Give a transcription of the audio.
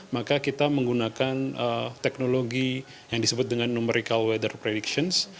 maka kita menggunakan teknologi yang disebut dengan numerical weather predictions